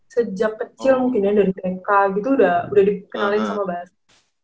sejak kecil mungkin dari tnk gitu udah dikenalin sama basket